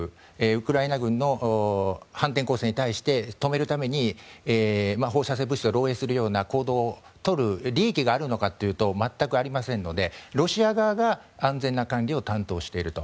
ウクライナ軍の反転攻勢に対して止めるために放射性物質を漏洩するような行動をとる利益があるのかというと全くありませんのでロシア側が安全な管理を担当していると。